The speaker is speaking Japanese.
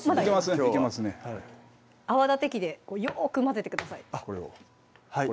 きょうは泡立て器でよく混ぜてください